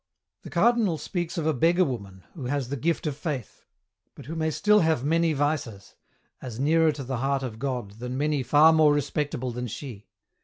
The Cardinal speaks of a beggar woman who has the gift of Faith, but who may still have many vices, as nearer to the heart of God than many far more respectable than she.